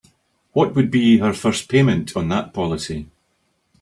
What would be her first payment on that policy?